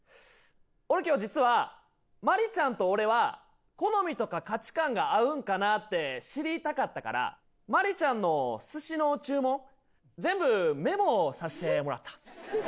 俺今日実はマリちゃんと俺は好みとか価値観が合うんかなって知りたかったからマリちゃんの寿司の注文全部メモさしてもらった。